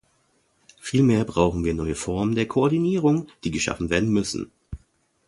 Vielmehr brauchen wir neue Formen der Koordinierung, die geschaffen werden müssen.